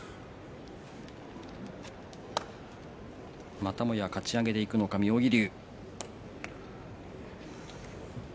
またもやかち上げでいくのか妙義龍。